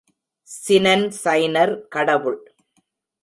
சினன் சைனர் கடவுள்.